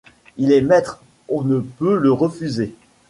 Il est maître, on ne peut le refuser !